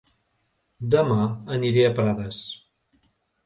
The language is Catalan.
Dema aniré a Prades